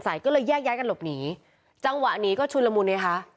ก็เลยแยกย้ายกันหลบหนีจังหวะนี้ก็ชุนละมุนไงคะ